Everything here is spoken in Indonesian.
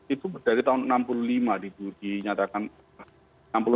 itu dari tahun enam puluh lima itu dinyatakan